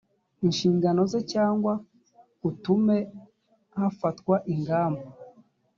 inshingano ze cyangwa atume hafatwa ingamba